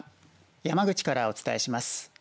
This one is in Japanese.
山口からお伝えします。